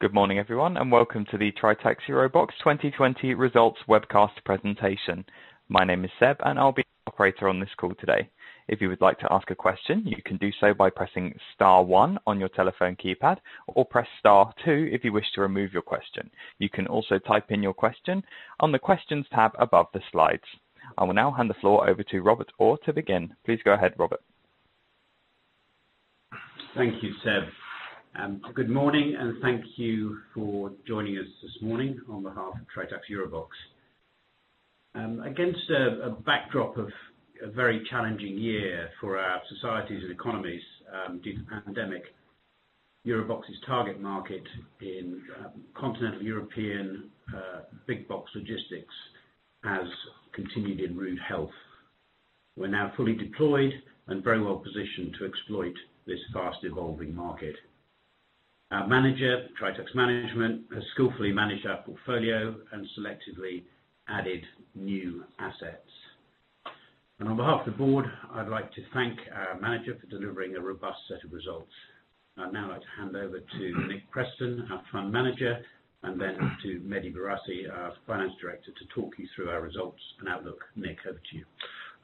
Good morning, everyone, welcome to the Tritax EuroBox 2020 results webcast presentation. My name is Seb, and I'll be your operator on this call today. If you would like to ask a question, you can do so by pressing star one on your telephone keypad, or press star two if you wish to remove your question. You can also type in your question on the Questions tab above the slides. I will now hand the floor over to Robert Orr to begin. Please go ahead, Robert. Thank you, Seb, good morning, and thank you for joining us this morning on behalf of Tritax EuroBox. Against a backdrop of a very challenging year for our societies and economies due to the pandemic, EuroBox's target market in continental European big box logistics has continued in rude health. We're now fully deployed and very well-positioned to exploit this fast-evolving market. Our manager, Tritax Group, has skillfully managed our portfolio and selectively added new assets. On behalf of the board, I'd like to thank our manager for delivering a robust set of results. I'd now like to hand over to Nick Preston, our Fund Manager, and then to Mehdi Bourassi, our Finance Director, to talk you through our results and outlook. Nick, over to you.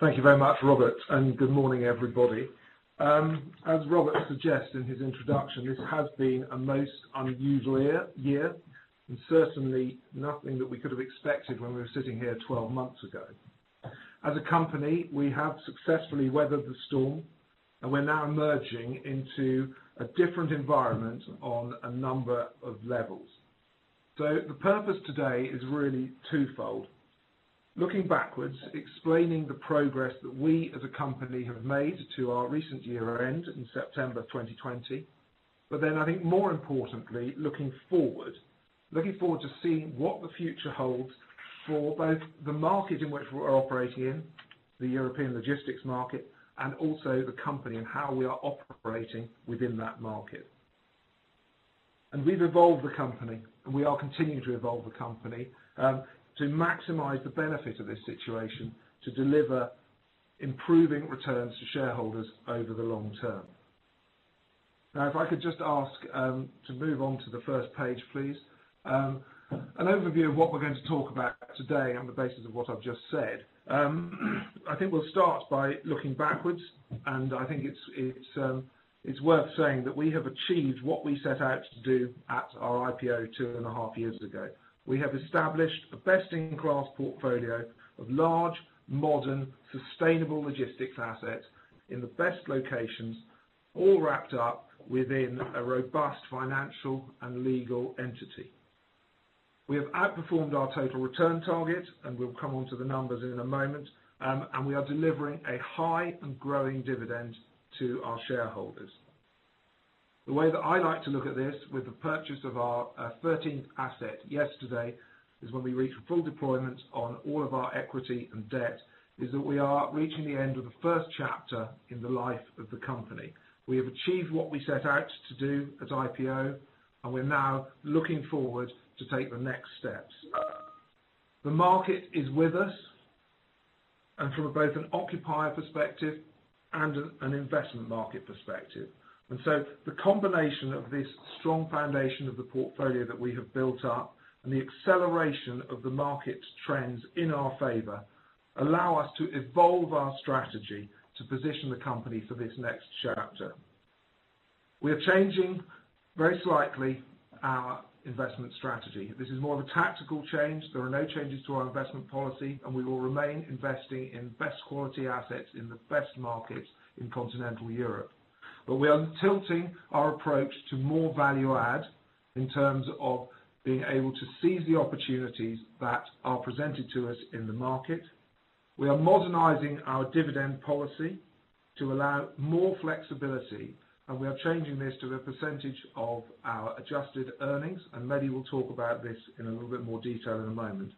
Thank you very much, Robert. Good morning, everybody. As Robert suggests in his introduction, this has been a most unusual year and certainly nothing that we could have expected when we were sitting here 12 months ago. As a company, we have successfully weathered the storm, and we're now emerging into a different environment on a number of levels. The purpose today is really twofold. Looking backwards, explaining the progress that we as a company have made to our recent year end in September 2020. I think more importantly, looking forward. Looking forward to seeing what the future holds for both the market in which we're operating in, the European logistics market, and also the company and how we are operating within that market. We've evolved the company, and we are continuing to evolve the company, to maximize the benefit of this situation to deliver improving returns to shareholders over the long term. If I could just ask to move on to the first page, please. An overview of what we're going to talk about today on the basis of what I've just said. I think we'll start by looking backwards, and I think it's worth saying that we have achieved what we set out to do at our IPO two and a half years ago. We have established a best-in-class portfolio of large, modern, sustainable logistics assets in the best locations, all wrapped up within a robust financial and legal entity. We have outperformed our total return target, and we'll come onto the numbers in a moment, and we are delivering a high and growing dividend to our shareholders. The way that I like to look at this with the purchase of our 13th asset yesterday is when we reach full deployment on all of our equity and debt, is that we are reaching the end of the first chapter in the life of the company. We have achieved what we set out to do at IPO, and we're now looking forward to take the next steps. The market is with us and from both an occupier perspective and an investment market perspective. The combination of this strong foundation of the portfolio that we have built up and the acceleration of the market trends in our favor allow us to evolve our strategy to position the company for this next chapter. We are changing very slightly our investment strategy. This is more of a tactical change. There are no changes to our investment policy, and we will remain investing in best quality assets in the best markets in continental Europe. We are tilting our approach to more value add in terms of being able to seize the opportunities that are presented to us in the market. We are modernizing our dividend policy to allow more flexibility, and we are changing this to a percentage of our Adjusted Earnings, and Mehdi will talk about this in a little bit more detail in a moment.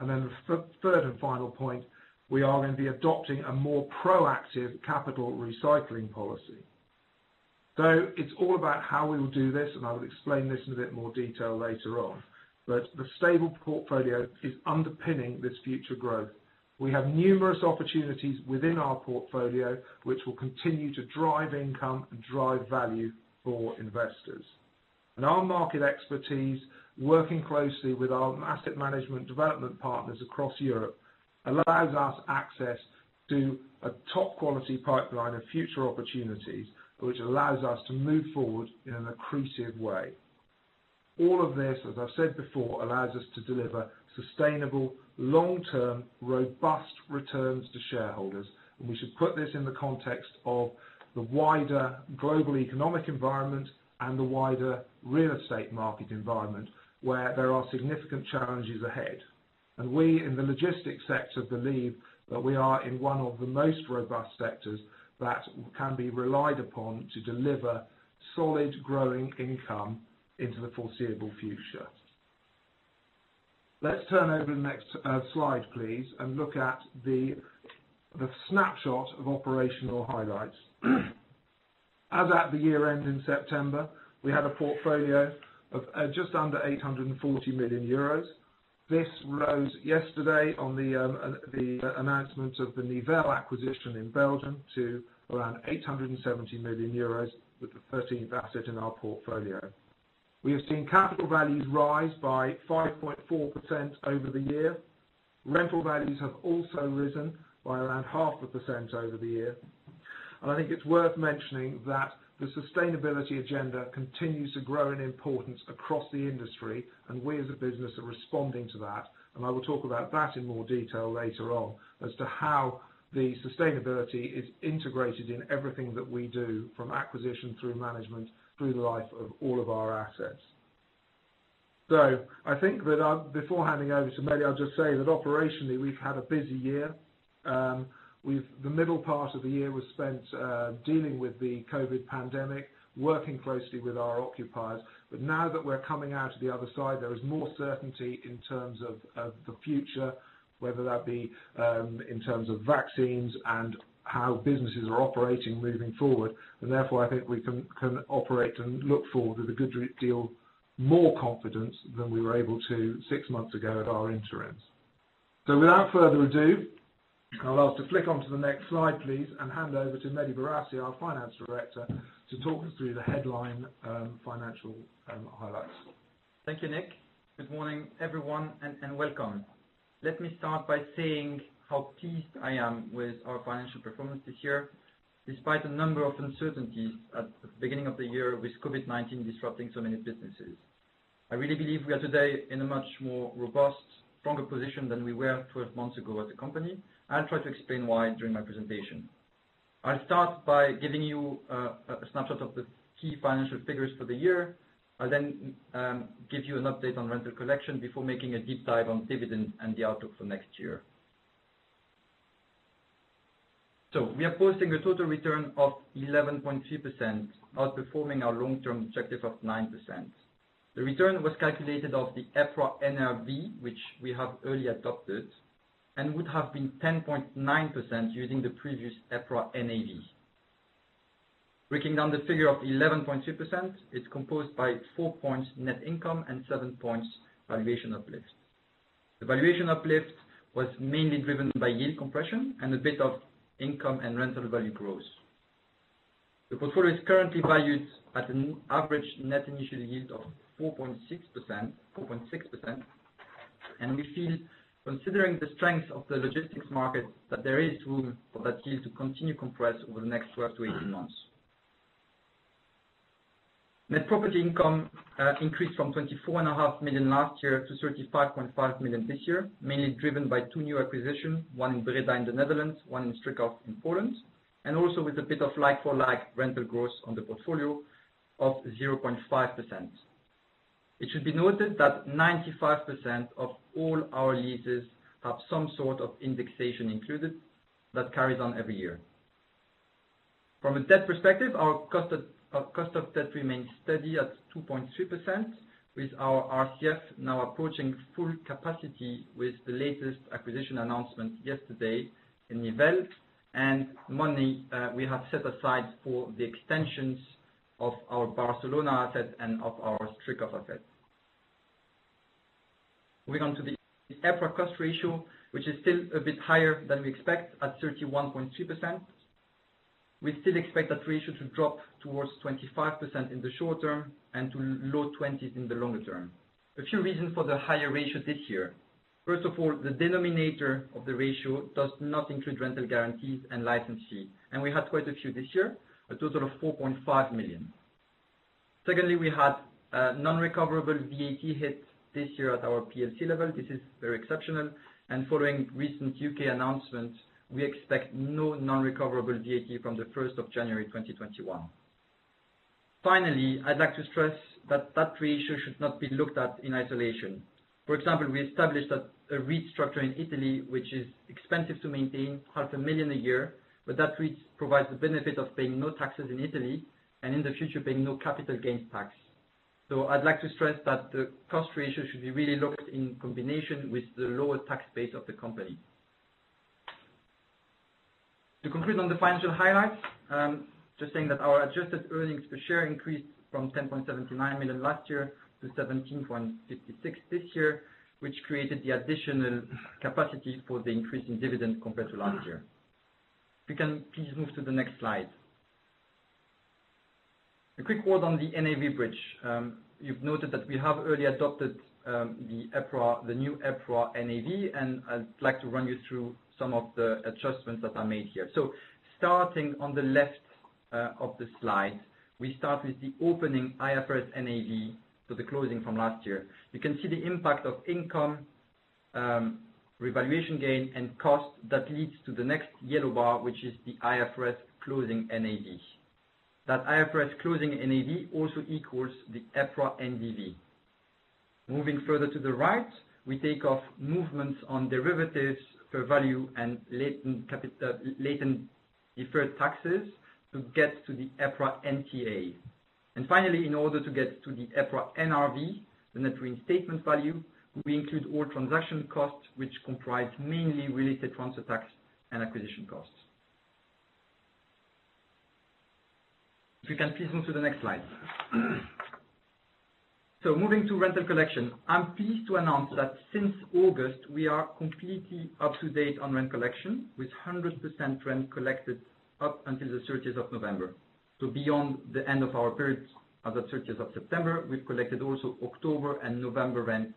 The third and final point, we are going to be adopting a more proactive capital recycling policy. It's all about how we will do this, and I will explain this in a bit more detail later on. The stable portfolio is underpinning this future growth. We have numerous opportunities within our portfolio which will continue to drive income and drive value for investors. Our market expertise, working closely with our asset management development partners across Europe, allows us access to a top-quality pipeline of future opportunities, which allows us to move forward in an accretive way. All of this, as I've said before, allows us to deliver sustainable, long-term, robust returns to shareholders. We should put this in the context of the wider global economic environment and the wider real estate market environment where there are significant challenges ahead. We in the logistics sector believe that we are in one of the most robust sectors that can be relied upon to deliver solid, growing income into the foreseeable future. Let's turn over to the next slide, please, and look at the snapshot of operational highlights. As at the year end in September, we had a portfolio of just under 840 million euros. This rose yesterday on the announcement of the Nivelles acquisition in Belgium to around 870 million euros with the 13th asset in our portfolio. We have seen capital values rise by 5.4% over the year. Rental values have also risen by around half a percent over the year. I think it's worth mentioning that the sustainability agenda continues to grow in importance across the industry, and we as a business are responding to that, and I will talk about that in more detail later on as to how the sustainability is integrated in everything that we do, from acquisition through management, through the life of all of our assets. I think that before handing over to Mehdi, I'll just say that operationally, we've had a busy year. The middle part of the year was spent dealing with the COVID pandemic, working closely with our occupiers. Now that we're coming out the other side, there is more certainty in terms of the future, whether that be in terms of vaccines and how businesses are operating moving forward. Therefore, I think we can operate and look forward with a good deal more confidence than we were able to six months ago at our interim. Without further ado, I'll ask to flick onto the next slide, please, and hand over to Mehdi Bourassi, our Finance Director, to talk us through the headline on financial and highlights. Thank you, Nick. Good morning, everyone, and welcome. Let me start by saying how pleased I am with our financial performance this year, despite a number of uncertainties at the beginning of the year with COVID-19 disrupting so many businesses. I really believe we are today in a much more robust, stronger position than we were 12 months ago as a company. I'll try to explain why during my presentation. I'll start by giving you a snapshot of the key financial figures for the year. I'll then give you an update on rental collection before making a deep dive on dividend and the outlook for next year. We are posting a total return of 11.3%, outperforming our long-term objective of 9%. The return was calculated off the EPRA NRV, which we have early adopted, and would have been 10.9% using the previous EPRA NAV. Breaking down the figure of 11.3%, it's composed by four points net income and seven points valuation uplift. The valuation uplift was mainly driven by yield compression and a bit of income and rental value growth. The portfolio is currently valued at an average Net Initial Yield of 4.6%, and we feel, considering the strength of the logistics market, that there is room for that yield to continue to compress over the next 12-18 months. Net property income increased from 24.5 million last year to 35.5 million this year, mainly driven by two new acquisitions, one in Breda in the Netherlands, one in Stryków in Poland, and also with a bit of like-for-like rental growth on the portfolio of 0.5%. It should be noted that 95% of all our leases have some sort of indexation included that carries on every year. From a debt perspective, our cost of debt remains steady at 2.3%, with our RCF now approaching full capacity with the latest acquisition announcement yesterday in Nivelles, and money we have set aside for the extensions of our Barcelona asset and of our Stryków asset. Moving on to the EPRA cost ratio, which is still a bit higher than we expect at 31.2%. We still expect that ratio to drop towards 25% in the short term and to low 20% in the longer term. A few reasons for the higher ratio this year. First of all, the denominator of the ratio does not include rental guarantees and license fee, and we had quite a few this year, a total of 4.5 million. Secondly, we had non-recoverable VAT hit this year at our PLC level. This is very exceptional. Following recent U.K. announcements, we expect no non-recoverable VAT from the 1st of January 2021. Finally, I'd like to stress that ratio should not be looked at in isolation. For example, we established a REIT structure in Italy, which is expensive to maintain, EUR half a million a year, but that REIT provides the benefit of paying no taxes in Italy and in the future, paying no capital gains tax. I'd like to stress that the cost ratio should be really looked in combination with the lower tax base of the company. To conclude on the financial highlights, just saying that our Adjusted Earnings Per Share increased from 10.79 million last year to 17.56 this year, which created the additional capacity for the increase in dividend compared to last year. If you can please move to the next slide. A quick word on the NAV bridge. You've noted that we have already adopted the new EPRA NAV, and I'd like to run you through some of the adjustments that are made here. Starting on the left of the slide, we start with the opening IFRS NAV, so the closing from last year. You can see the impact of income, revaluation gain, and cost that leads to the next yellow bar, which is the IFRS closing NAV. That IFRS closing NAV also equals the EPRA NDV. Moving further to the right, we take off movements on derivatives fair value and latent deferred taxes to get to the EPRA NTA. Finally, in order to get to the EPRA NRV, the net reinstatement value, we include all transaction costs, which comprise mainly related transfer tax and acquisition costs. If you can please move to the next slide. Moving to rental collection, I'm pleased to announce that since August, we are completely up to date on rent collection, with 100% rent collected up until the 30th of November. Beyond the end of our period as of 30th of September, we've collected also October and November rent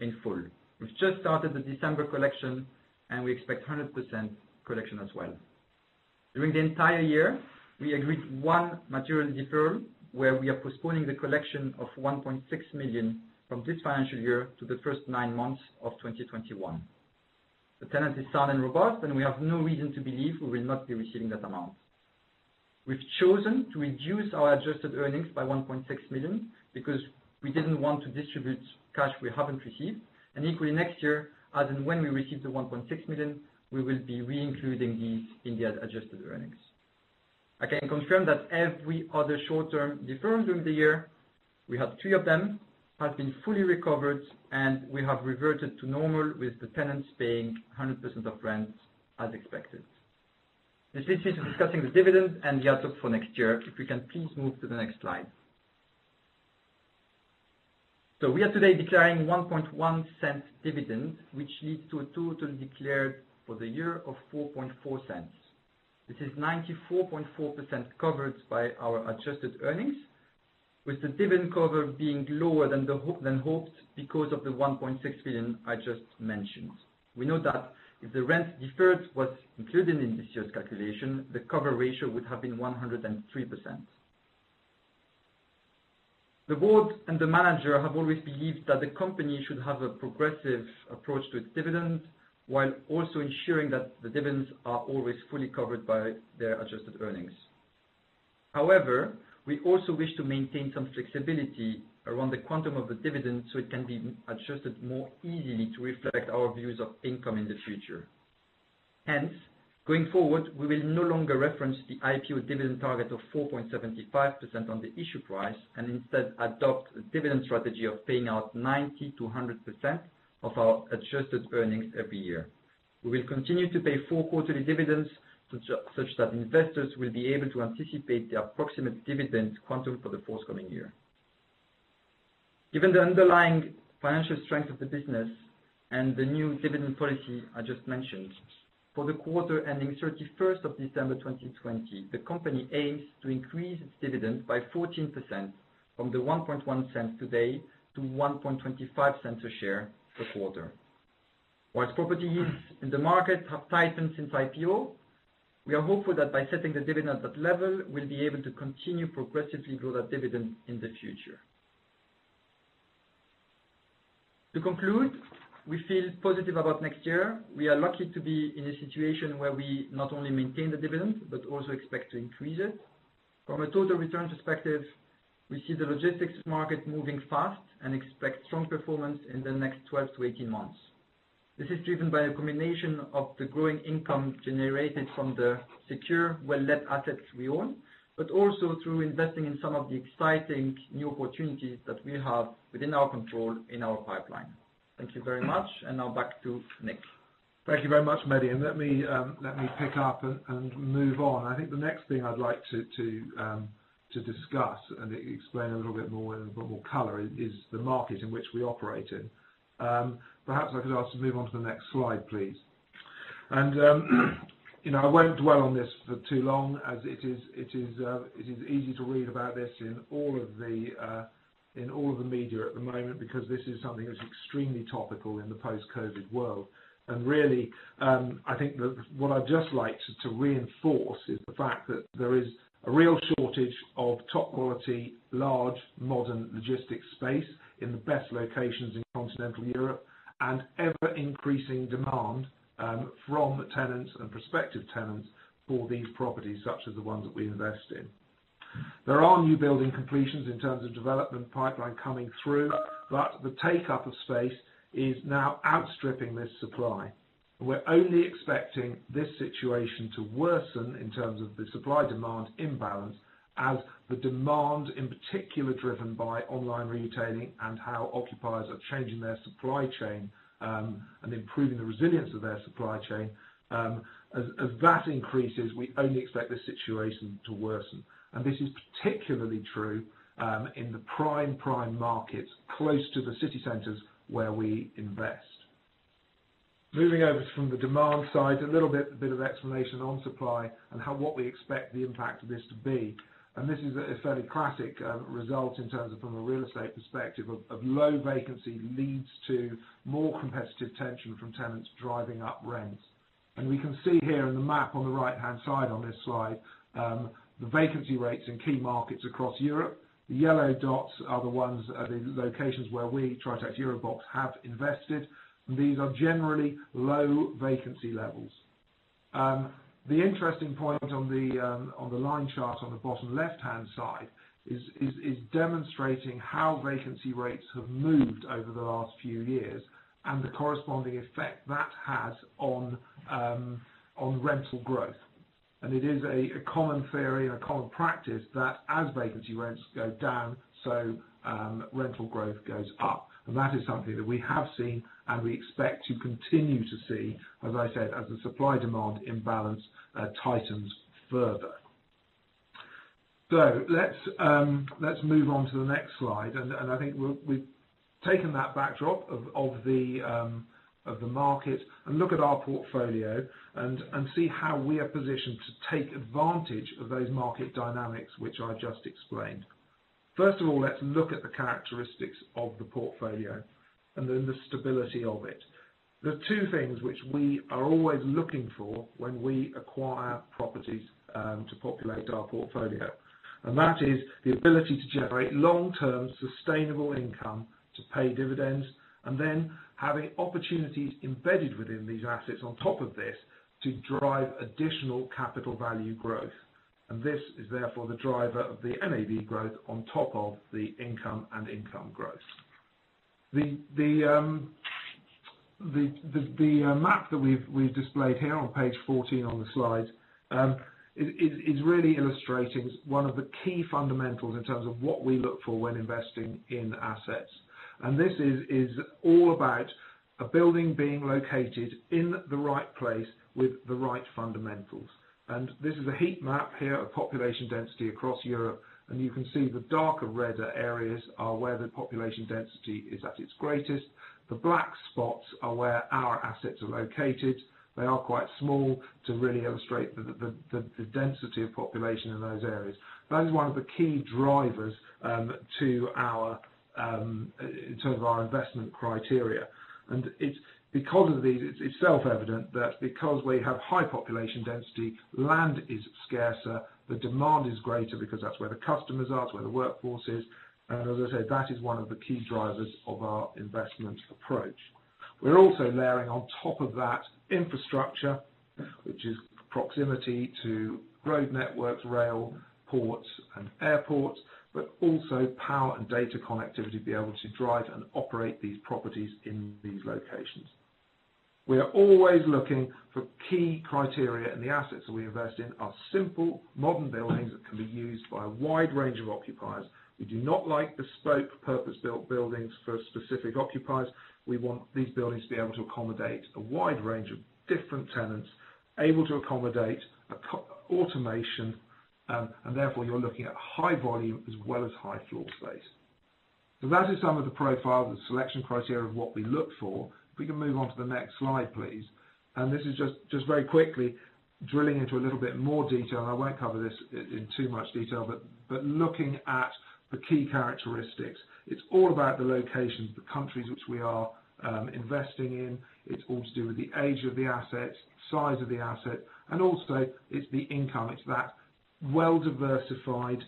in full. We've just started the December collection, and we expect 100% collection as well. During the entire year, we agreed one material deferral, where we are postponing the collection of 1.6 million from this financial year to the first nine months of 2021. The tenant is sound and robust, and we have no reason to believe we will not be receiving that amount. We've chosen to reduce our Adjusted Earnings by 1.6 million because we didn't want to distribute cash we haven't received, and equally next year, as and when we receive the 1.6 million, we will be re-including these in the Adjusted Earnings. I can confirm that every other short-term deferment during the year, we had three of them, has been fully recovered, and we have reverted to normal with the tenants paying 100% of rents as expected. This leads me to discussing the dividend and the outlook for next year. If we can please move to the next slide. We are today declaring a EUR 0.011 dividend, which leads to a total declared for the year of 0.044. This is 94.4% covered by our Adjusted Earnings, with the dividend cover being lower than hoped because of the 1.6 million I just mentioned. We know that if the rent deferred was included in this year's calculation, the cover ratio would have been 103%. The board and the manager have always believed that the company should have a progressive approach to its dividend, while also ensuring that the dividends are always fully covered by their Adjusted Earnings. However, we also wish to maintain some flexibility around the quantum of the dividend so it can be adjusted more easily to reflect our views of income in the future. Hence, going forward, we will no longer reference the IPO dividend target of 4.75% on the issue price, and instead adopt a dividend strategy of paying out 90%-100% of our Adjusted Earnings every year. We will continue to pay four quarterly dividends, such that investors will be able to anticipate the approximate dividend quantum for the forthcoming year. Given the underlying financial strength of the business and the new dividend policy I just mentioned, for the quarter ending 31st of December 2020, the company aims to increase its dividend by 14% from the 0.011 today to 0.0125 a share per quarter. Whilst property yields in the market have tightened since IPO, we are hopeful that by setting the dividend at that level, we'll be able to continue progressively grow that dividend in the future. To conclude, we feel positive about next year. We are lucky to be in a situation where we not only maintain the dividend, but also expect to increase it. From a total returns perspective, we see the logistics market moving fast and expect strong performance in the next 12-18 months. This is driven by a combination of the growing income generated from the secure well-let assets we own, but also through investing in some of the exciting new opportunities that we have within our control in our pipeline. Thank you very much, and now back to Nick. Thank you very much, Mehdi. Let me pick up and move on. I think the next thing I'd like to discuss and explain a little bit more with a bit more color is the market in which we operate in. Perhaps I could ask to move on to the next slide, please. I won't dwell on this for too long as it is easy to read about this in all of the media at the moment because this is something that's extremely topical in the post-COVID-19 world. Really, I think what I'd just like to reinforce is the fact that there is a real shortage of top-quality, large, modern logistics space in the best locations in continental Europe and ever-increasing demand from tenants and prospective tenants for these properties, such as the ones that we invest in. There are new building completions in terms of development pipeline coming through, but the take-up of space is now outstripping this supply. We're only expecting this situation to worsen in terms of the supply-demand imbalance as the demand, in particular driven by online retailing and how occupiers are changing their supply chain and improving the resilience of their supply chain. As that increases, we only expect the situation to worsen. This is particularly true in the prime markets close to the city centers where we invest. Moving over from the demand side, a little bit of explanation on supply and what we expect the impact of this to be. This is a fairly classic result in terms of from a real estate perspective, of low vacancy leads to more competitive tension from tenants driving up rents. We can see here in the map on the right-hand side on this slide, the vacancy rates in key markets across Europe. The yellow dots are the locations where we, Tritax EuroBox, have invested, and these are generally low vacancy levels. The interesting point on the line chart on the bottom left-hand side is demonstrating how vacancy rates have moved over the last few years and the corresponding effect that has on rental growth. It is a common theory and a common practice that as vacancy rates go down, rental growth goes up. That is something that we have seen and we expect to continue to see, as I said, as the supply-demand imbalance tightens further. Let's move on to the next slide. I think we've taken that backdrop of the market and look at our portfolio and see how we are positioned to take advantage of those market dynamics, which I just explained. First of all, let's look at the characteristics of the portfolio and then the stability of it. There are two things which we are always looking for when we acquire properties to populate our portfolio, and that is the ability to generate long-term sustainable income to pay dividends, and then having opportunities embedded within these assets on top of this to drive additional capital value growth. This is therefore the driver of the NAV growth on top of the income and income growth. The map that we've displayed here on page 14 on the slide is really illustrating one of the key fundamentals in terms of what we look for when investing in assets. This is all about a building being located in the right place with the right fundamentals. This is a heat map here of population density across Europe. You can see the darker redder areas are where the population density is at its greatest. The black spots are where our assets are located. They are quite small to really illustrate the density of population in those areas. That is one of the key drivers in terms of our investment criteria. It's self-evident that because we have high population density, land is scarcer, the demand is greater because that's where the customers are, it's where the workforce is. As I said, that is one of the key drivers of our investment approach. We're also layering on top of that infrastructure, which is proximity to road networks, rail, ports, and airports, but also power and data connectivity to be able to drive and operate these properties in these locations. We are always looking for key criteria, and the assets that we invest in are simple, modern buildings that can be used by a wide range of occupiers. We do not like bespoke, purpose-built buildings for specific occupiers. We want these buildings to be able to accommodate a wide range of different tenants, able to accommodate automation, and therefore you're looking at high volume as well as high floor space. That is some of the profile, the selection criteria of what we look for. If we can move on to the next slide, please. This is just very quickly drilling into a little bit more detail, and I won't cover this in too much detail, but looking at the key characteristics. It's all about the locations, the countries which we are investing in. It's all to do with the age of the asset, size of the asset, and also it's the income. It's that well-diversified,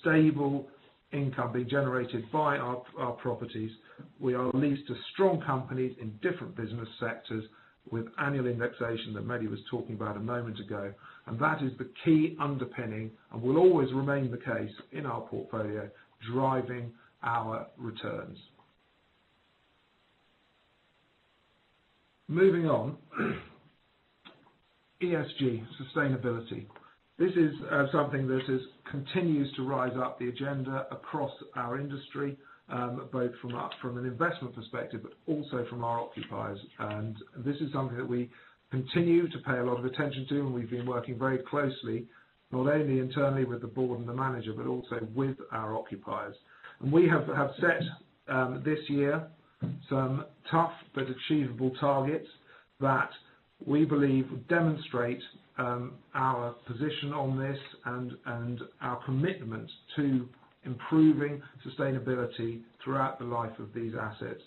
stable income being generated by our properties. We are leased to strong companies in different business sectors with annual indexation that Mehdi was talking about a moment ago. That is the key underpinning, and will always remain the case in our portfolio, driving our returns. Moving on, ESG, sustainability. This is something that continues to rise up the agenda across our industry, both from an investment perspective, but also from our occupiers. This is something that we continue to pay a lot of attention to, and we've been working very closely, not only internally with the board and the manager, but also with our occupiers. We have set this year some tough but achievable targets that we believe demonstrate our position on this and our commitment to improving sustainability throughout the life of these assets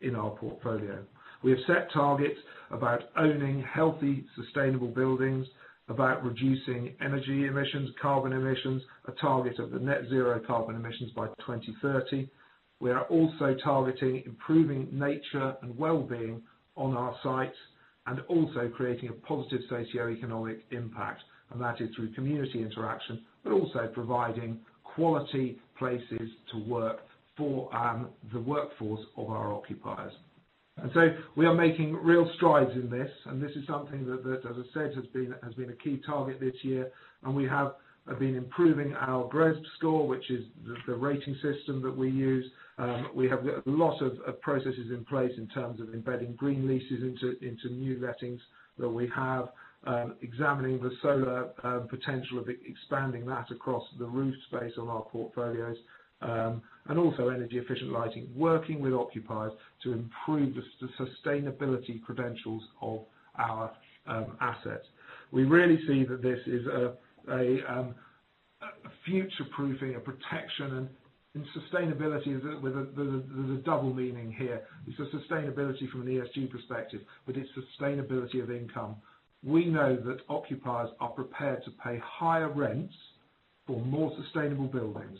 in our portfolio. We have set targets about owning healthy, sustainable buildings, about reducing energy emissions, carbon emissions, a target of the net zero carbon emissions by 2030. We are also targeting improving nature and wellbeing on our sites, and also creating a positive socioeconomic impact, and that is through community interaction, but also providing quality places to work for the workforce of our occupiers. We are making real strides in this, and this is something that, as I said, has been a key target this year. We have been improving our GRESB score, which is the rating system that we use. We have a lot of processes in place in terms of embedding green leases into new lettings that we have, examining the solar potential of expanding that across the roof space on our portfolios, and also energy-efficient lighting, working with occupiers to improve the sustainability credentials of our assets. We really see that this is a future-proofing, a protection, and sustainability. There is a double meaning here. It is a sustainability from an ESG perspective, but it is sustainability of income. We know that occupiers are prepared to pay higher rents for more sustainable buildings,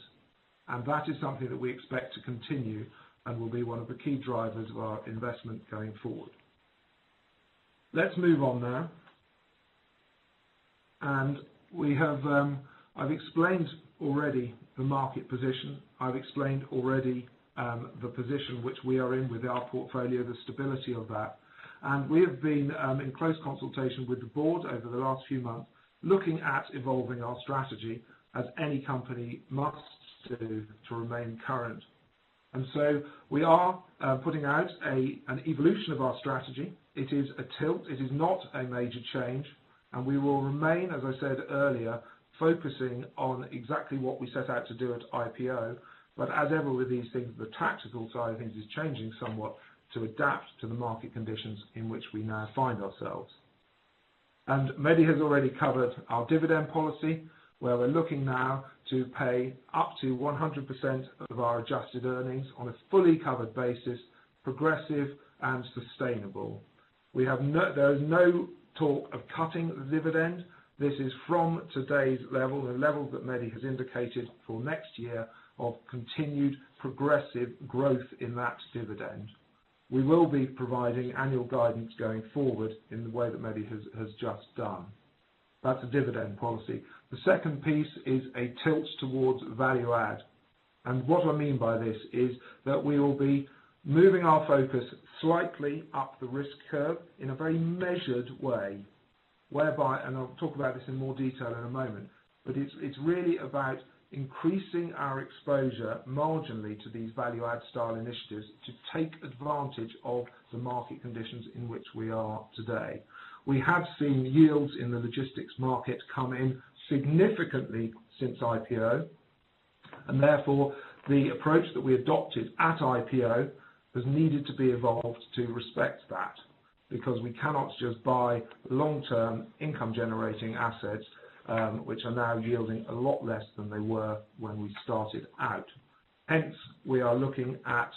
and that is something that we expect to continue and will be one of the key drivers of our investment going forward. Let's move on now. I've explained already the market position. I've explained already the position which we are in with our portfolio, the stability of that. We have been in close consultation with the board over the last few months, looking at evolving our strategy as any company must do to remain current. We are putting out an evolution of our strategy. It is a tilt, it is not a major change. We will remain, as I said earlier, focusing on exactly what we set out to do at IPO. As ever with these things, the tactical side of things is changing somewhat to adapt to the market conditions in which we now find ourselves. Mehdi has already covered our dividend policy, where we're looking now to pay up to 100% of our adjusted earnings on a fully covered basis, progressive and sustainable. There is no talk of cutting the dividend. This is from today's level, the level that Mehdi has indicated for next year, of continued progressive growth in that dividend. We will be providing annual guidance going forward in the way that Mehdi has just done. That's the dividend policy. The second piece is a tilt towards value add. What I mean by this is that we will be moving our focus slightly up the risk curve in a very measured way, whereby, and I'll talk about this in more detail in a moment, but it's really about increasing our exposure marginally to these value add style initiatives to take advantage of the market conditions in which we are today. We have seen yields in the logistics market come in significantly since IPO. Therefore, the approach that we adopted at IPO has needed to be evolved to respect that, because we cannot just buy long-term income generating assets, which are now yielding a lot less than they were when we started out. Hence, we are looking at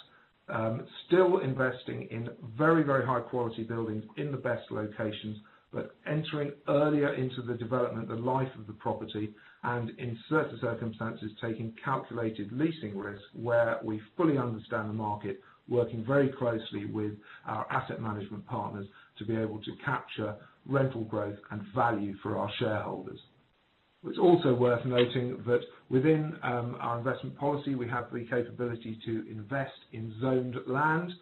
still investing in very, very high quality buildings in the best locations, but entering earlier into the development, the life of the property, and in certain circumstances, taking calculated leasing risks where we fully understand the market, working very closely with our asset management partners to be able to capture rental growth and value for our shareholders. It's also worth noting that within our investment policy, we have the capability to invest in zoned land.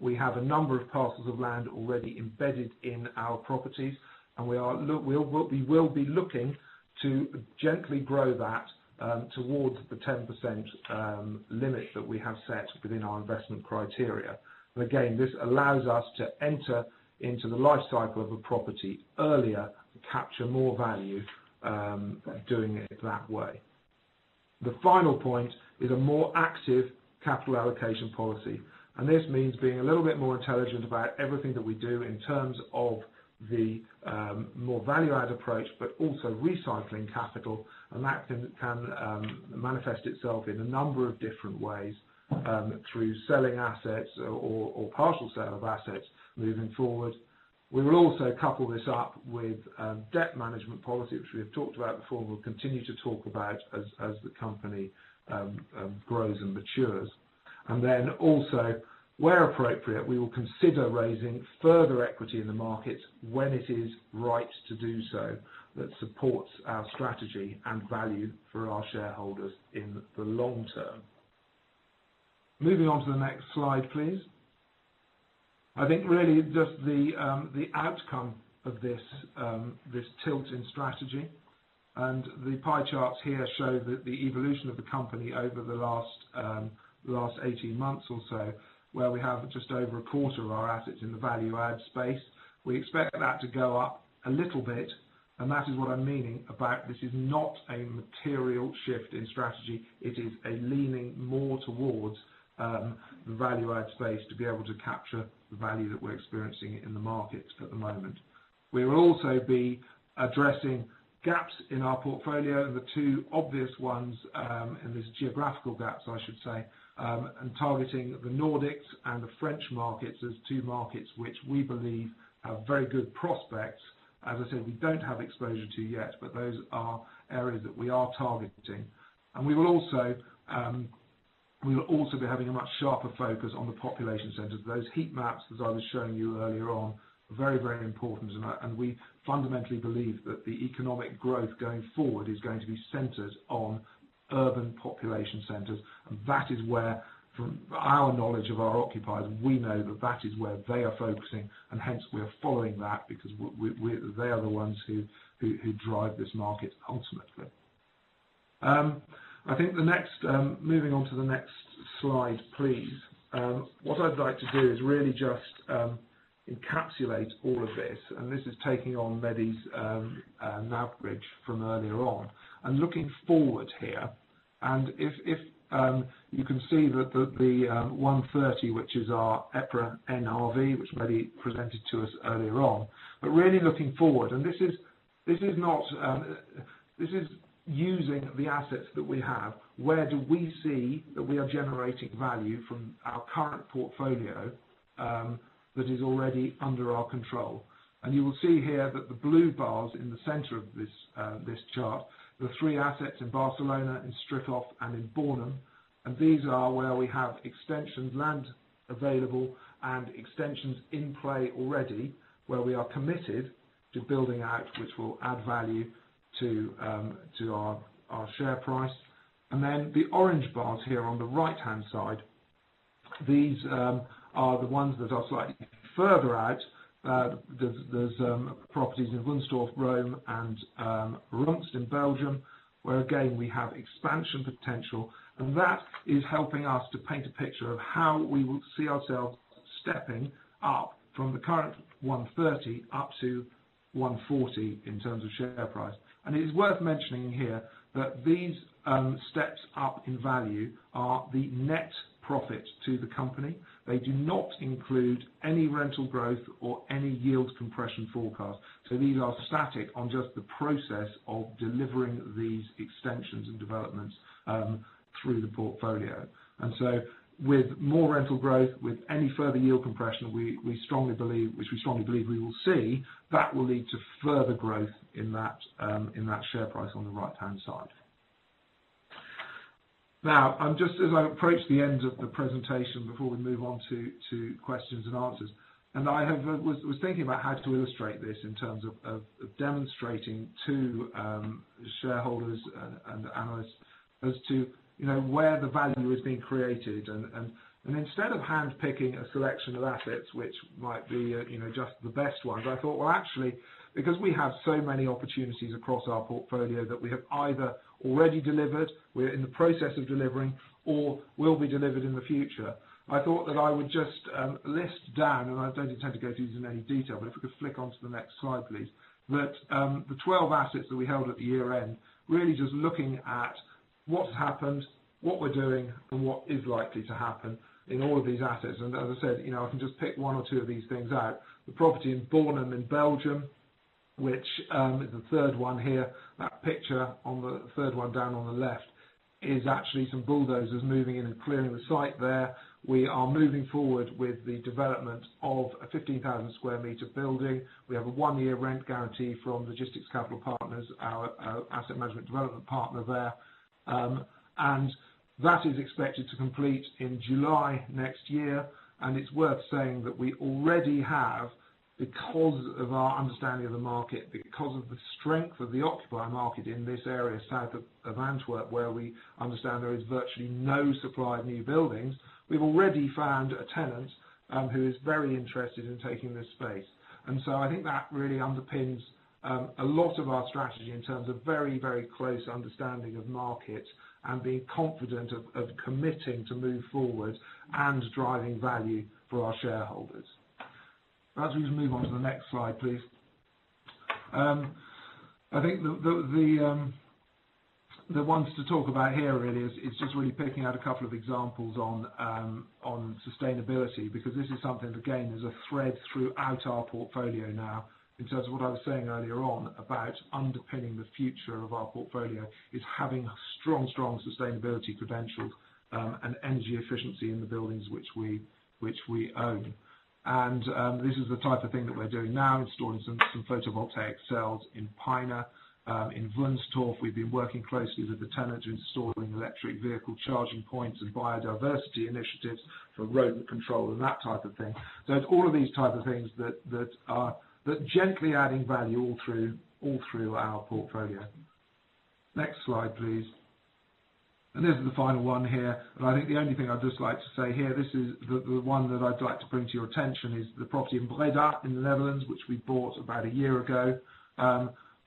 We have a number of parcels of land already embedded in our properties, and we will be looking to gently grow that towards the 10% limit that we have set within our investment criteria. Again, this allows us to enter into the life cycle of a property earlier to capture more value doing it that way. The final point is a more active capital allocation policy. This means being a little bit more intelligent about everything that we do in terms of the more value-add approach, but also recycling capital, and that can manifest itself in a number of different ways, through selling assets or partial sale of assets moving forward. We will also couple this up with debt management policy, which we have talked about before. We'll continue to talk about as the company grows and matures. Also, where appropriate, we will consider raising further equity in the market when it is right to do so that supports our strategy and value for our shareholders in the long term. Moving on to the next slide, please. I think really just the outcome of this tilt in strategy, and the pie charts here show that the evolution of the company over the last 18 months or so, where we have just over a quarter of our assets in the value add space. We expect that to go up a little bit, and that is what I'm meaning about this is not a material shift in strategy. It is a leaning more towards the value add space to be able to capture the value that we're experiencing in the market at the moment. We will also be addressing gaps in our portfolio, the two obvious ones, and there's geographical gaps, I should say, and targeting the Nordics and the French markets as two markets which we believe have very good prospects. As I said, we don't have exposure to yet, but those are areas that we are targeting. We will also be having a much sharper focus on the population centers. Those heat maps, as I was showing you earlier on, are very, very important, and we fundamentally believe that the economic growth going forward is going to be centered on urban population centers. That is where, from our knowledge of our occupiers, we know that is where they are focusing, and hence we are following that because they are the ones who drive this market ultimately. I think moving on to the next slide, please. What I'd like to do is really just encapsulate all of this, and this is taking on Mehdi's map bridge from earlier on. Looking forward here, and if you can see that the 1.30, which is our EPRA NRV, which Mehdi presented to us earlier on, really looking forward. This is using the assets that we have. Where do we see that we are generating value from our current portfolio that is already under our control? You will see here that the blue bars in the center of this chart, the three assets in Barcelona, in Stryków, and in Bornem. These are where we have extension land available and extensions in play already, where we are committed to building out, which will add value to our share price. The orange bars here on the right-hand side. These are the ones that are slightly further out. There is properties in Wunstorf, Rome, and Rumst in Belgium, where, again, we have expansion potential, and that is helping us to paint a picture of how we will see ourselves stepping up from the current 1.30 up to 1.40 in terms of share price. It is worth mentioning here that these steps up in value are the net profit to the company. They do not include any rental growth or any yield compression forecast. These are static on just the process of delivering these extensions and developments through the portfolio. With more rental growth, with any further yield compression, which we strongly believe we will see, that will lead to further growth in that share price on the right-hand side. Just as I approach the end of the presentation, before we move on to questions-and-answers, and I was thinking about how to illustrate this in terms of demonstrating to shareholders and analysts as to where the value is being created. Instead of handpicking a selection of assets, which might be just the best ones, I thought, well, actually, because we have so many opportunities across our portfolio that we have either already delivered, we are in the process of delivering, or will be delivered in the future, I thought that I would just list down, and I do not intend to go through this in any detail, but if we could flick onto the next slide, please. That the 12 assets that we held at the year-end, really just looking at what has happened, what we are doing, and what is likely to happen in all of these assets. As I said, I can just pick one or two of these things out. The property in Bornem, in Belgium, which is the third one here. That picture on the third one down on the left is actually some bulldozers moving in and clearing the site there. We are moving forward with the development of a 15,000 sq m building. We have a one-year rent guarantee from Logistics Capital Partners, our asset management development partner there. That is expected to complete in July next year. It's worth saying that we already have, because of our understanding of the market, because of the strength of the occupier market in this area, south of Antwerp, where we understand there is virtually no supply of new buildings, we've already found a tenant who is very interested in taking this space. I think that really underpins a lot of our strategy in terms of very close understanding of market and being confident of committing to move forward and driving value for our shareholders. As we move on to the next slide, please. I think the ones to talk about here really is just picking out a couple of examples on sustainability, because this is something, there's a thread throughout our portfolio now in terms of what I was saying earlier on about underpinning the future of our portfolio is having strong sustainability credentials, and energy efficiency in the buildings which we own. This is the type of thing that we're doing now, installing some photovoltaic cells in Pioltello. In Wunstorf, we've been working closely with the tenant installing electric vehicle charging points and biodiversity initiatives for rodent control and that type of thing. It's all of these type of things that are gently adding value all through our portfolio. Next slide, please. This is the final one here. I think the only thing I'd just like to say here, this is the one that I'd like to bring to your attention is the property in Breda in the Netherlands, which we bought about a year ago.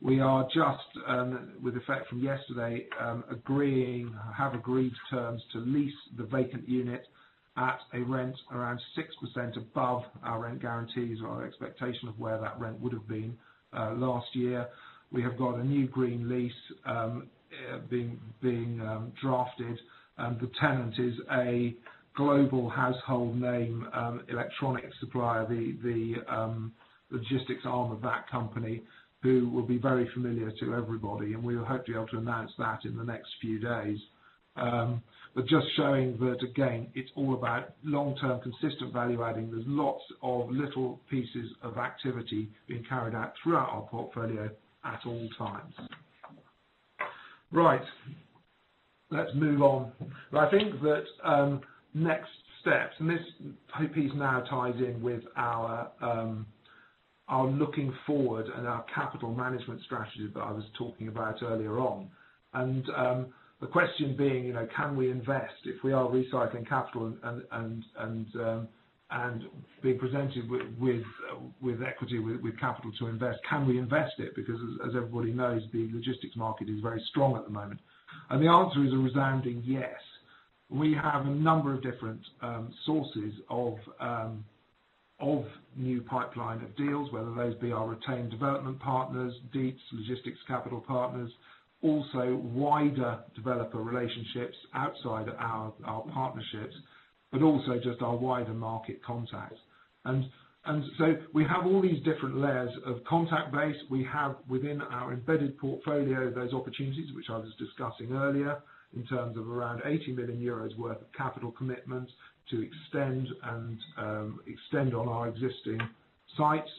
We are just, with effect from yesterday, have agreed terms to lease the vacant unit at a rent around 6% above our rent guarantees or our expectation of where that rent would have been last year. We have got a new green lease being drafted. The tenant is a global household name electronics supplier, the logistics arm of that company, who will be very familiar to everybody, and we'll hopefully be able to announce that in the next few days. Just showing that, again, it's all about long-term, consistent value-adding. There's lots of little pieces of activity being carried out throughout our portfolio at all times. Right. Let's move on. I think that next steps, and this piece now ties in with our looking forward and our capital management strategy that I was talking about earlier on. The question being, can we invest if we are recycling capital and being presented with equity, with capital to invest, can we invest it? As everybody knows, the logistics market is very strong at the moment. The answer is a resounding yes. We have a number of different sources of new pipeline of deals, whether those be our retained development partners, Dietz, Logistics Capital Partners, also wider developer relationships outside our partnerships, but also just our wider market contacts. We have all these different layers of contact base. We have within our embedded portfolio, those opportunities which I was discussing earlier in terms of around 80 million euros worth of capital commitment to extend on our existing sites.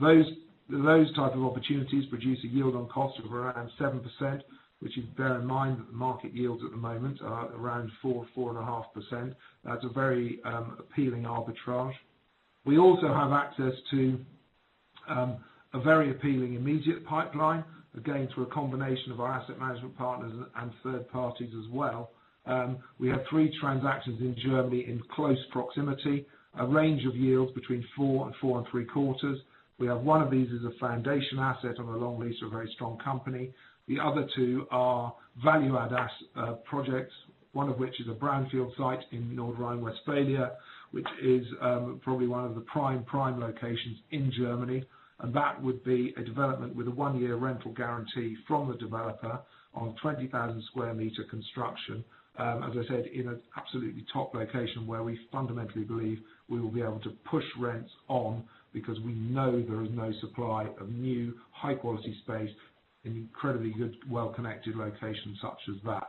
Those type of opportunities produce a yield on cost of around 7%, which if you bear in mind that the market yields at the moment are around 4%-4.5%. That's a very appealing arbitrage. We also have access to a very appealing immediate pipeline, again, through a combination of our asset management partners and third parties as well. We have three transactions in Germany in close proximity, a range of yields between 4% and 4.75%. We have one of these as a foundation asset on a long lease, a very strong company. The other two are value-add projects, one of which is a brownfield site in North Rhine-Westphalia, which is probably one of the prime locations in Germany. That would be a development with a one-year rental guarantee from the developer on 20,000 sq m construction. As I said, in an absolutely top location where we fundamentally believe we will be able to push rents on because we know there is no supply of new, high-quality space in an incredibly good, well-connected location such as that.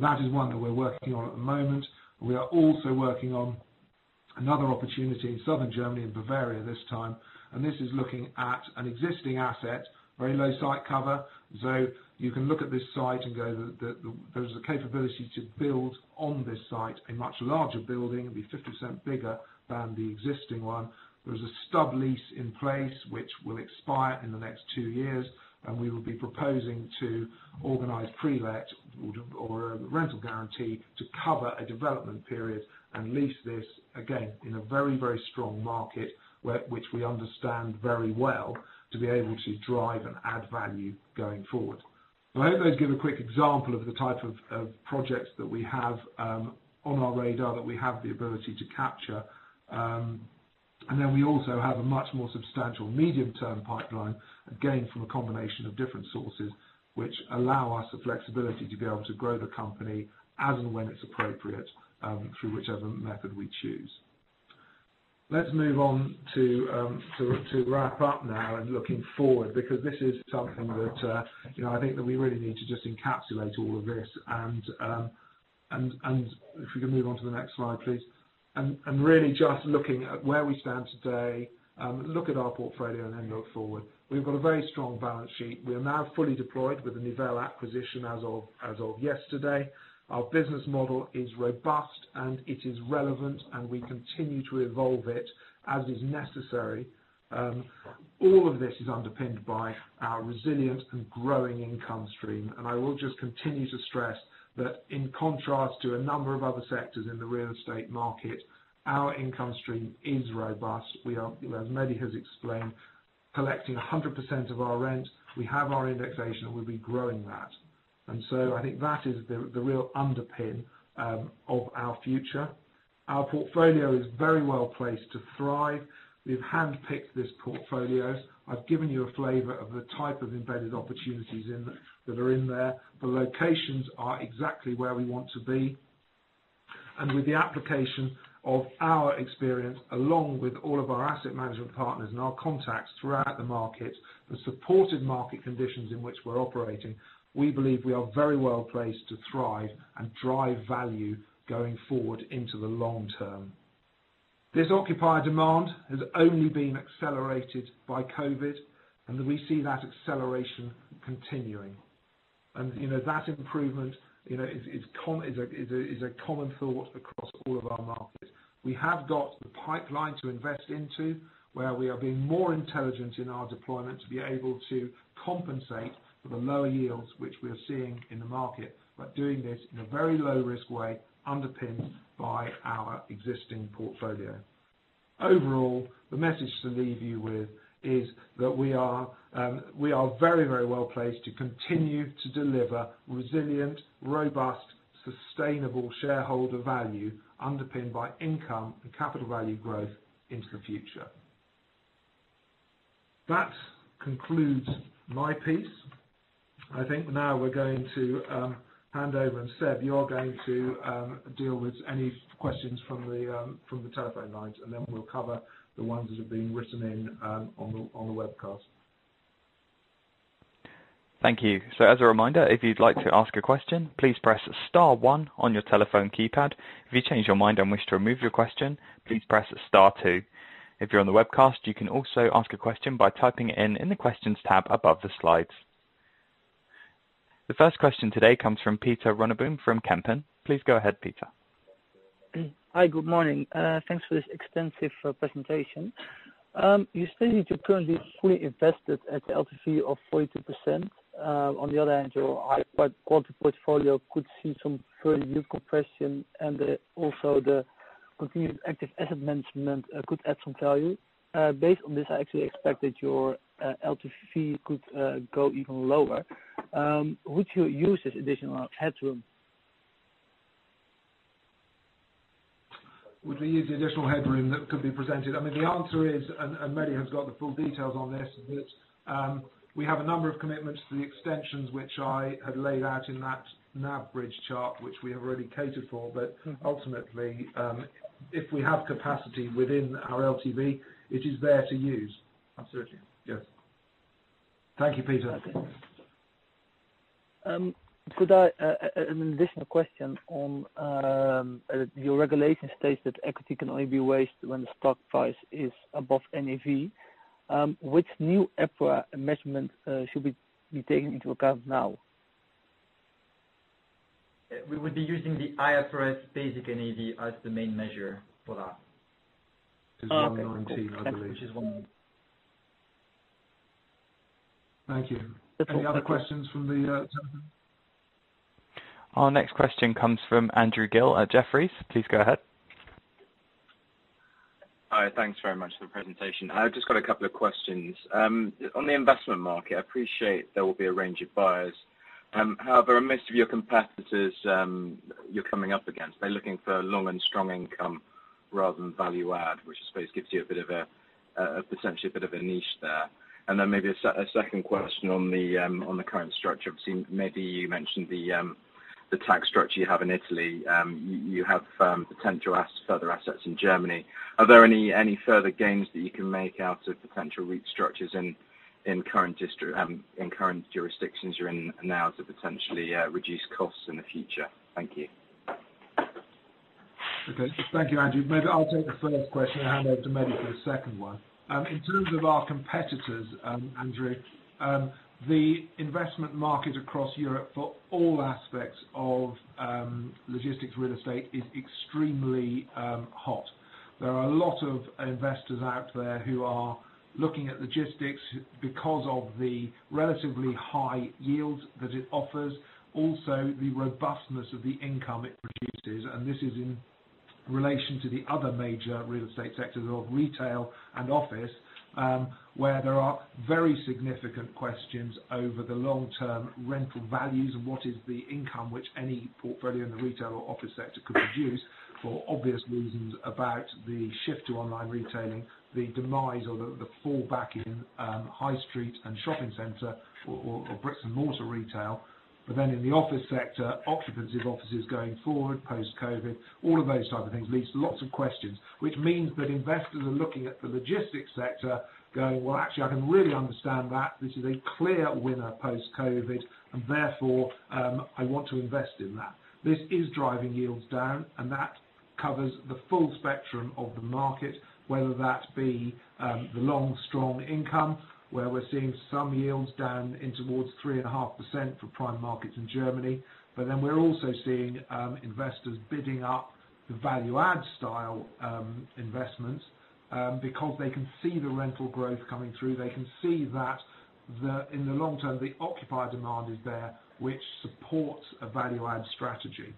That is one that we're working on at the moment. We are also working on another opportunity in southern Germany, in Bavaria this time, and this is looking at an existing asset, very low site cover. You can look at this site and go, there's the capability to build on this site a much larger building. It'd be 50% bigger than the existing one. There is a stub lease in place, which will expire in the next two years, and we will be proposing to organize pre-let or rental guarantee to cover a development period and lease this, again, in a very strong market which we understand very well to be able to drive and add value going forward. I hope those give a quick example of the type of projects that we have on our radar that we have the ability to capture. We also have a much more substantial medium-term pipeline, again, from a combination of different sources, which allow us the flexibility to be able to grow the company as and when it's appropriate, through whichever method we choose. Let's move on to wrap up now and looking forward, because this is something that I think that we really need to just encapsulate all of this. If we can move on to the next slide, please. Really just looking at where we stand today, look at our portfolio, then look forward. We've got a very strong balance sheet. We are now fully deployed with the Nivelles acquisition as of yesterday. Our business model is robust, and it is relevant, and we continue to evolve it as is necessary. All of this is underpinned by our resilient and growing income stream. I will just continue to stress that in contrast to a number of other sectors in the real estate market, our income stream is robust. We are, as Mehdi has explained, collecting 100% of our rent. We have our indexation, and we'll be growing that. I think that is the real underpin of our future. Our portfolio is very well-placed to thrive. We've handpicked this portfolio. I've given you a flavor of the type of embedded opportunities that are in there. The locations are exactly where we want to be. With the application of our experience, along with all of our asset management partners and our contacts throughout the market, the supported market conditions in which we're operating, we believe we are very well-placed to thrive and drive value going forward into the long term. This occupier demand has only been accelerated by COVID-19, and we see that acceleration continuing. That improvement is a common thought across all of our markets. We have got the pipeline to invest into, where we are being more intelligent in our deployment to be able to compensate for the lower yields which we are seeing in the market, but doing this in a very low-risk way, underpinned by our existing portfolio. Overall, the message to leave you with is that we are very well-placed to continue to deliver resilient, robust, sustainable shareholder value underpinned by income and capital value growth into the future. That concludes my piece. I think now we're going to hand over, and Seb, you're going to deal with any questions from the telephone lines, and then we'll cover the ones that have been written in on the webcast. Thank you. As a reminder if you like to ask a question, please press star one on your telephone keypad, if you changed your mind and wish to remove your question, please press star two. If you're on the webcast, you can also ask a question by typing in in the questions tab above the slides. The first question today comes from Pieter Runneboom from Kempen. Please go ahead, Pieter. Hi. Good morning. Thanks for this extensive presentation. You stated you're currently fully invested at LTV of 42%. On the other hand, your high-quality portfolio could see some further yield compression and also the continued active asset management could add some value. Based on this, I actually expect that your LTV could go even lower. Would you use this additional headroom? Would we use the additional headroom that could be presented? I mean, the answer is, and Mehdi has got the full details on this, that we have a number of commitments to the extensions which I had laid out in that NAV bridge chart, which we have already catered for. Ultimately, if we have capacity within our LTV, it is there to use. Absolutely, yes. Thank you, Pieter. An additional question on your regulation states that equity can only be raised when the stock price is above NAV. Which new EPRA measurement should be taken into account now? We would be using the IFRS basic NAV as the main measure for that. Which is 1.19, I believe. Which is EUR 1.19. Thank you. Any other questions from the gentlemen? Our next question comes from Andrew Gill at Jefferies. Please go ahead. Hi. Thanks very much for the presentation. I've just got a couple of questions. On the investment market, I appreciate there will be a range of buyers. However, most of your competitors you're coming up against, they're looking for long and strong income rather than value add, which I suppose gives you potentially a bit of a niche there. Maybe a second question on the current structure. Obviously, Mehdi, you mentioned the tax structure you have in Italy. You have potential further assets in Germany. Are there any further gains that you can make out of potential restructures in current jurisdictions you're in now to potentially reduce costs in the future? Thank you. Okay. Thank you, Andrew. Maybe I'll take the first question and hand over to Mehdi for the second one. In terms of our competitors, Andrew, the investment market across Europe for all aspects of logistics real estate is extremely hot. There are a lot of investors out there who are looking at logistics because of the relatively high yields that it offers. Also, the robustness of the income it produces, and this is in relation to the other major real estate sectors of retail and office, where there are very significant questions over the long-term rental values and what is the income which any portfolio in the retail or office sector could produce for obvious reasons about the shift to online retailing, the demise or the fallback in high street and shopping center or bricks and mortar retail. In the office sector, occupancy of offices going forward post-COVID-19, all of those type of things leads to lots of questions, which means that investors are looking at the logistics sector going, "Well, actually, I can really understand that this is a clear winner post-COVID-19, and therefore, I want to invest in that." This is driving yields down, and that covers the full spectrum of the market, whether that be the long, strong income, where we're seeing some yields down in towards 3.5% for prime markets in Germany. We're also seeing investors bidding up the value add style investments because they can see the rental growth coming through. They can see that in the long term, the occupier demand is there, which supports a value add strategy.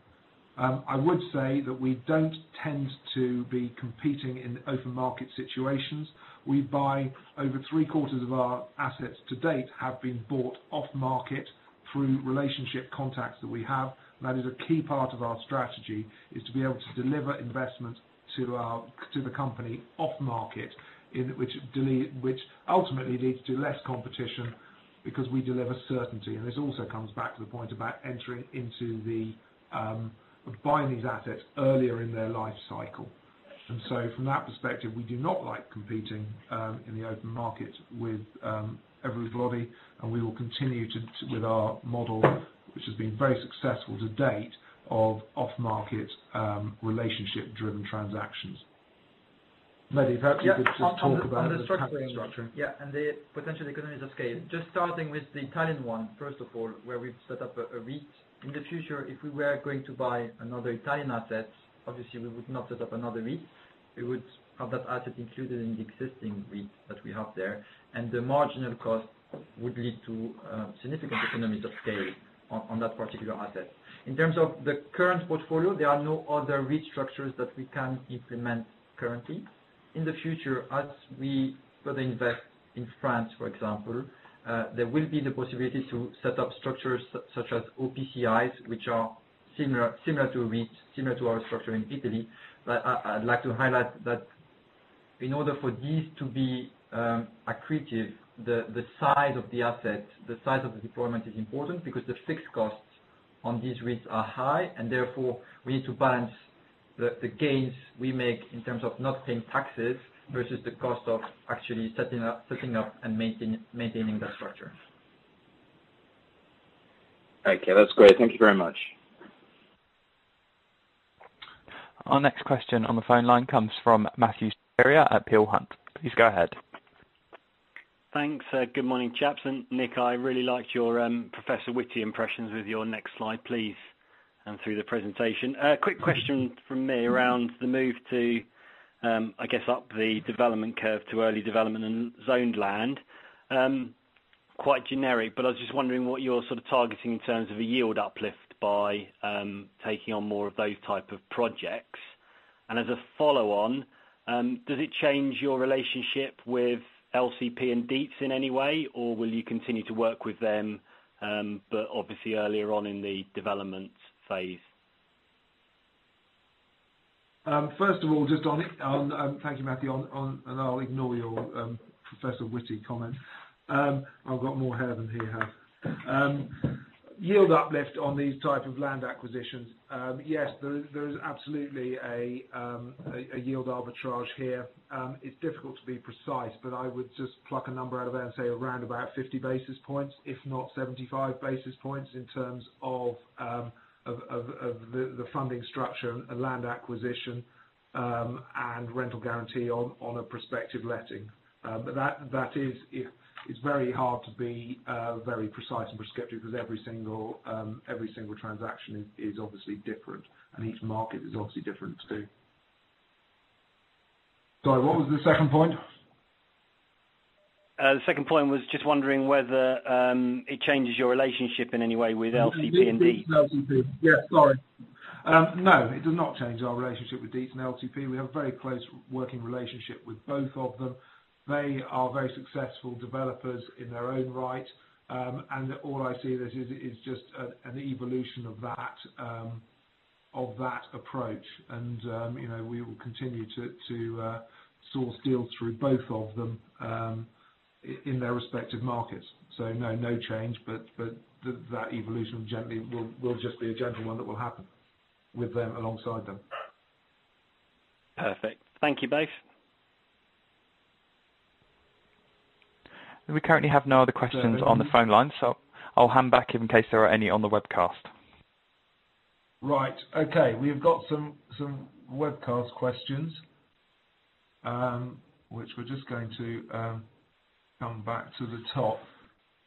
I would say that we don't tend to be competing in open market situations. Over three-quarters of our assets to date have been bought off-market through relationship contacts that we have. That is a key part of our strategy, is to be able to deliver investment to the company off-market, which ultimately leads to less competition because we deliver certainty. This also comes back to the point about buying these assets earlier in their life cycle. From that perspective, we do not like competing in the open market with everybody, and we will continue with our model, which has been very successful to date, of off-market relationship-driven transactions. Mehdi, perhaps you could just talk about the tax structure. On the structuring, yeah, and the potential economies of scale. Just starting with the Italian one, first of all, where we've set up a REIT. In the future, if we were going to buy another Italian asset, obviously we would not set up another REIT. We would have that asset included in the existing REIT that we have there, and the marginal cost would lead to significant economies of scale on that particular asset. In terms of the current portfolio, there are no other restructures that we can implement currently. In the future, as we further invest in France, for example, there will be the possibility to set up structures such as OPCIs, which are similar to REIT, similar to our structure in Italy. I'd like to highlight that in order for these to be accretive, the size of the asset, the size of the deployment is important because the fixed costs on these REITs are high, and therefore, we need to balance the gains we make in terms of not paying taxes versus the cost of actually setting up and maintaining that structure. Okay, that's great. Thank you very much. Our next question on the phone line comes from Matthew Saperia at Peel Hunt. Please go ahead. Thanks. Good morning, chaps, and Nick, I really liked your Professor Whitty impressions with your next slide, please, and through the presentation. A quick question from me around the move to, I guess, up the development curve to early development and zoned land. Quite generic, but I was just wondering what you're targeting in terms of a yield uplift by taking on more of those type of projects. Does it change your relationship with LCP and Dietz in any way, or will you continue to work with them, but obviously earlier on in the development phase? First of all, thank you, Matthew, and I'll ignore your Professor Whitty comment. I've got more hair than he has. Yield uplift on these type of land acquisitions. Yes, there is absolutely a yield arbitrage here. It's difficult to be precise, but I would just pluck a number out of there and say around about 50 basis points, if not 75 basis points in terms of the funding structure and land acquisition, and rental guarantee on a prospective letting. It's very hard to be very precise and prescriptive because every single transaction is obviously different, and each market is obviously different, too. Sorry, what was the second point? The second point was just wondering whether it changes your relationship in any way with LCP and Dietz. LCP. Yeah, sorry. No, it does not change our relationship with Dietz and LCP. We have a very close working relationship with both of them. They are very successful developers in their own right. All I see this is just an evolution of that approach. We will continue to source deals through both of them in their respective markets. No, no change, but that evolution will just be a gentle one that will happen with them, alongside them. Perfect. Thank you both. We currently have no other questions on the phone line, so I'll hang back in case there are any on the webcast. Right. Okay. We've got some webcast questions, which we're just going to come back to the top.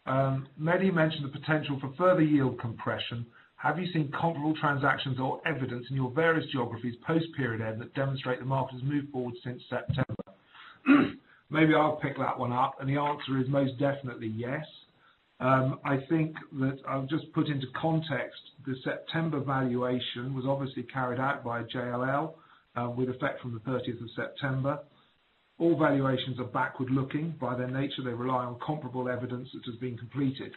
"Mehdi mentioned the potential for further yield compression. Have you seen comparable transactions or evidence in your various geographies post-period end that demonstrate the market has moved forward since September?" Maybe I'll pick that one up, and the answer is most definitely yes. I think that I'll just put into context, the September valuation was obviously carried out by JLL, with effect from the 30th of September. All valuations are backward-looking. By their nature, they rely on comparable evidence that has been completed.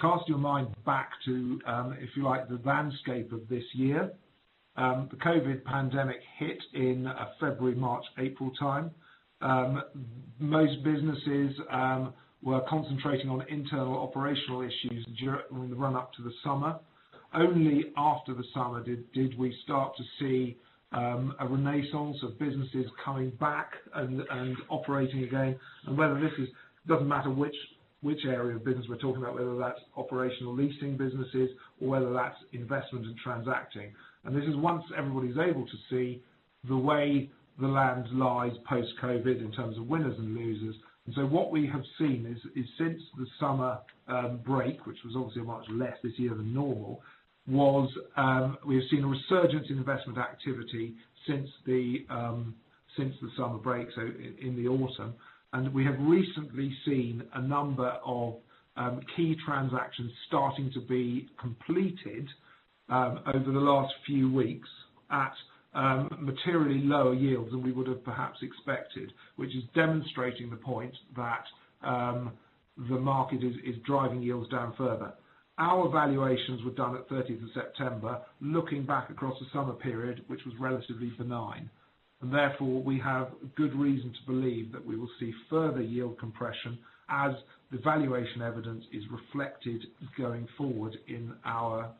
Cast your mind back to, if you like, the landscape of this year. The COVID pandemic hit in February, March, April time. Most businesses were concentrating on internal operational issues during the run-up to the summer. Only after the summer did we start to see a renaissance of businesses coming back and operating again. Doesn't matter which area of business we're talking about, whether that's operational leasing businesses or whether that's investment and transacting. This is once everybody's able to see the way the land lies post-COVID in terms of winners and losers. What we have seen is, since the summer break, which was obviously much less this year than normal, was we have seen a resurgence in investment activity since the summer break, so in the autumn. We have recently seen a number of key transactions starting to be completed over the last few weeks at materially lower yields than we would have perhaps expected, which is demonstrating the point that the market is driving yields down further. Our valuations were done at 30th of September, looking back across the summer period, which was relatively benign. Therefore, we have good reason to believe that we will see further yield compression as the valuation evidence is reflected going forward in our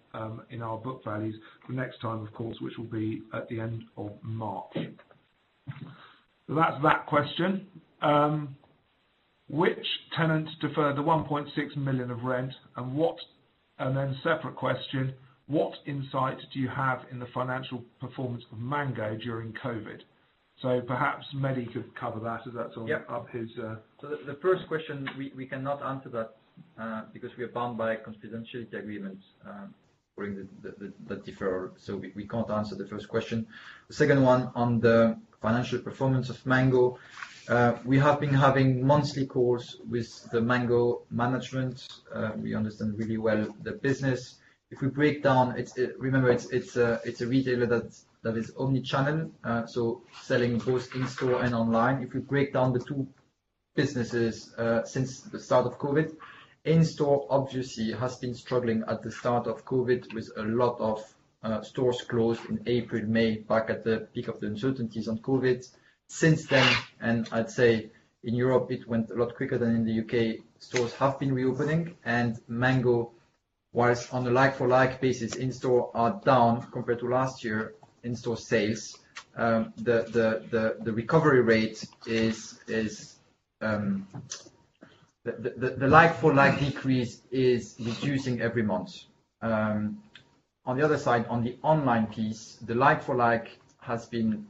book values for next time, of course, which will be at the end of March. That's that question. "Which tenants deferred the 1.6 million of rent and what" Then separate question, "What insight do you have in the financial performance of Mango during COVID-19?" Perhaps Mehdi could cover that. Yep. Part of his. The first question, we cannot answer that, because we are bound by confidentiality agreements during the deferral. We can't answer the first question. The second one on the financial performance of Mango. We have been having monthly calls with the Mango management. We understand really well the business. If we break down, remember it's a retailer that is omni-channel, so selling both in-store and online. If we break down the two businesses, since the start of COVID, in-store obviously has been struggling at the start of COVID with a lot of stores closed in April, May, back at the peak of the uncertainties on COVID. Since then, and I'd say in Europe it went a lot quicker than in the U.K., stores have been reopening and Mango was on a like-for-like basis in store are down compared to last year in store sales. The recovery rate, the like-for-like decrease is reducing every month. On the other side, on the online piece, the like-for-like has been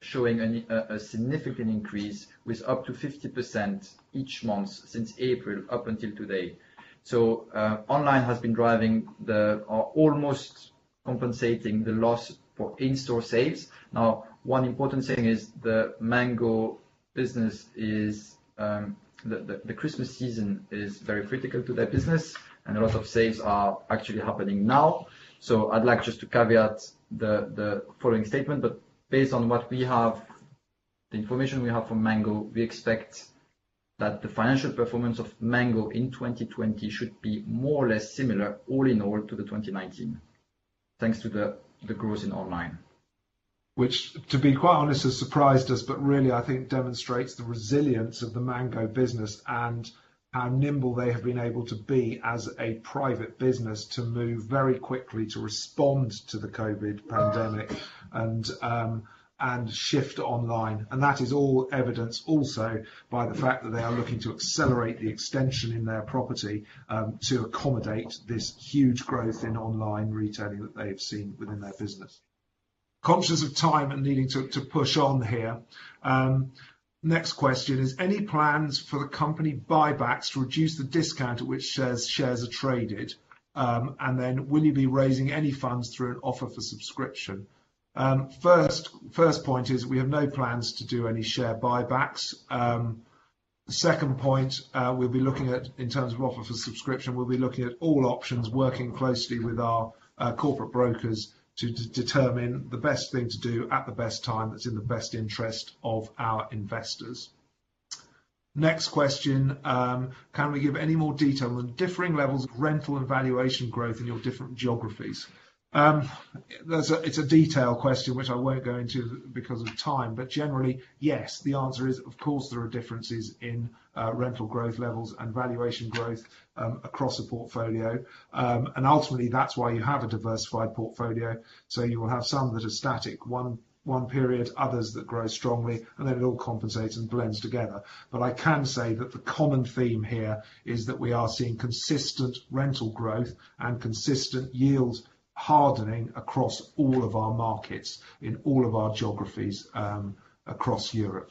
showing a significant increase with up to 50% each month since April up until today. Online has been driving or almost compensating the loss for in-store sales. One important thing is the Mango business, the Christmas season is very critical to their business, and a lot of sales are actually happening now. I'd like just to caveat the following statement, but based on what we have, the information we have from Mango, we expect that the financial performance of Mango in 2020 should be more or less similar all in all to the 2019 thanks to the growth in online. Which, to be quite honest, has surprised us, but really, I think demonstrates the resilience of the Mango business and how nimble they have been able to be as a private business to move very quickly to respond to the COVID pandemic and shift online. That is all evidenced also by the fact that they are looking to accelerate the extension in their property to accommodate this huge growth in online retailing that they have seen within their business. Conscious of time and needing to push on here. Next question is, any plans for the company buybacks to reduce the discount at which shares are traded? Then will you be raising any funds through an offer for subscription? First point is we have no plans to do any share buybacks. The second point, in terms of offer for subscription, we'll be looking at all options, working closely with our corporate brokers to determine the best thing to do at the best time that's in the best interest of our investors. Next question, can we give any more detail on the differing levels of rental and valuation growth in your different geographies? It's a detailed question which I won't go into because of time, but generally, yes, the answer is, of course there are differences in rental growth levels and valuation growth across a portfolio. Ultimately, that's why you have a diversified portfolio. You will have some that are static one period, others that grow strongly, and then it all compensates and blends together. I can say that the common theme here is that we are seeing consistent rental growth and consistent yield hardening across all of our markets in all of our geographies across Europe.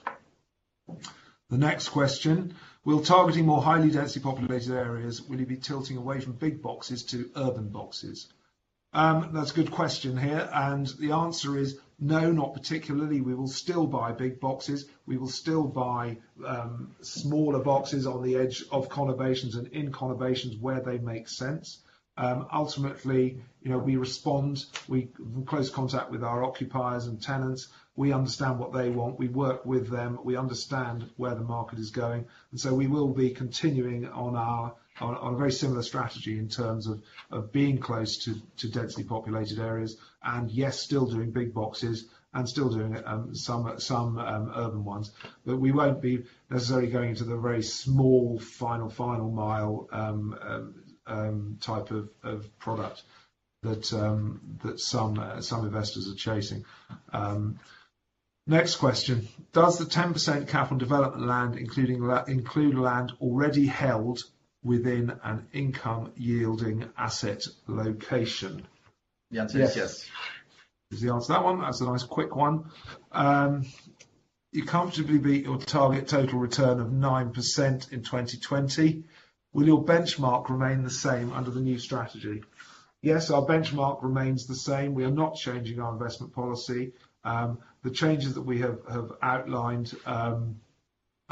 The next question, while targeting more highly densely populated areas, will you be tilting away from big boxes to urban boxes? That's a good question here. The answer is no, not particularly. We will still buy big boxes. We will still buy smaller boxes on the edge of conurbations and in conurbations where they make sense. Ultimately, we respond. We're close contact with our occupiers and tenants. We understand what they want. We work with them. We understand where the market is going. We will be continuing on a very similar strategy in terms of being close to densely populated areas and, yes, still doing big boxes and still doing some urban ones. We won't be necessarily going into the very small final mile type of product that some investors are chasing. Next question, does the 10% cap on development land include land already held within an income-yielding asset location? The answer is yes. Yes, is the answer to that one. That's a nice quick one. You comfortably beat your target total return of 9% in 2020. Will your benchmark remain the same under the new strategy? Yes, our benchmark remains the same. We are not changing our investment policy. The changes that we have outlined are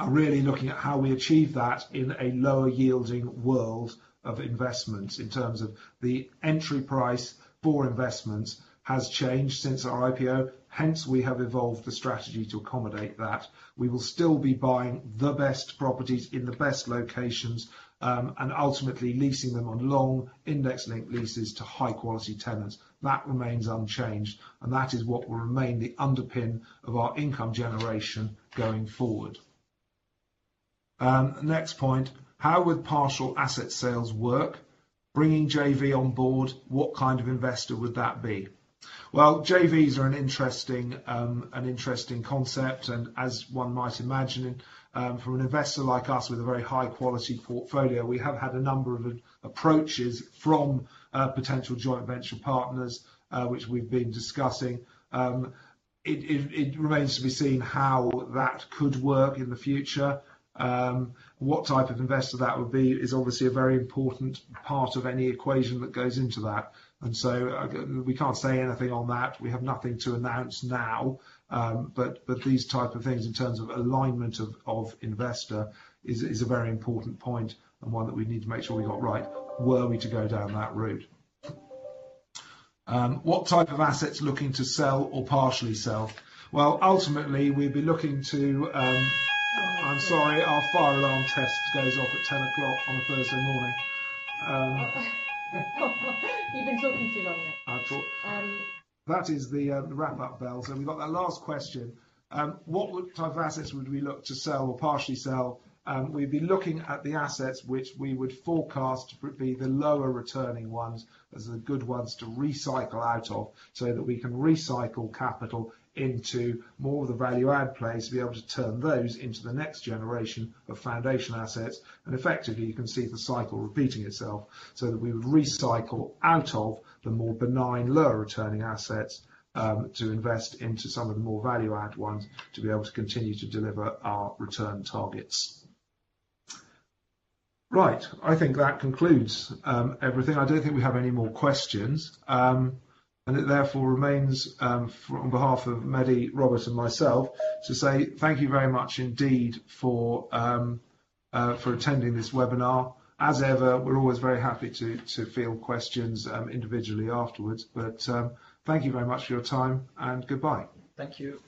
really looking at how we achieve that in a lower yielding world of investments in terms of the entry price for investments has changed since our IPO, hence we have evolved the strategy to accommodate that. We will still be buying the best properties in the best locations, and ultimately leasing them on long index-linked leases to high-quality tenants. That remains unchanged, and that is what will remain the underpin of our income generation going forward. Next point, how would partial asset sales work? Bringing JV on board, what kind of investor would that be? Well, JVs are an interesting concept, and as one might imagine, from an investor like us with a very high-quality portfolio, we have had a number of approaches from potential joint venture partners, which we've been discussing. It remains to be seen how that could work in the future. What type of investor that would be is obviously a very important part of any equation that goes into that. So we can't say anything on that. We have nothing to announce now. These type of things in terms of alignment of investor is a very important point and one that we need to make sure we got right were we to go down that route. What type of assets looking to sell or partially sell? Ultimately, we'd be looking to. I'm sorry, our fire alarm test goes off at 10:00 A.M. on a Thursday morning. You've been talking too long. That is the wrap up bell. We've got that last question. What type of assets would we look to sell or partially sell? We'd be looking at the assets which we would forecast would be the lower returning ones as the good ones to recycle out of so that we can recycle capital into more of the value add plays to be able to turn those into the next generation of foundation assets. Effectively, you can see the cycle repeating itself so that we would recycle out of the more benign, lower returning assets to invest into some of the more value add ones to be able to continue to deliver our return targets. Right. I think that concludes everything. I don't think we have any more questions. It therefore remains, on behalf of Mehdi, Robert, and myself, to say thank you very much indeed for attending this webinar. As ever, we're always very happy to field questions individually afterwards. Thank you very much for your time, and goodbye. Thank you.